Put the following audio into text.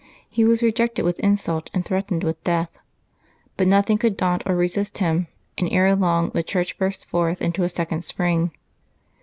He was rejected with in sult and threatened with death. But nothing could daunt or resist him, and ere long the Church burst forth into a second spring.